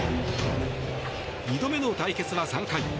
２度目の対決は３回。